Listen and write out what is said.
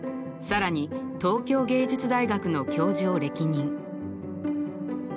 更に東京藝術大学の教授を歴任。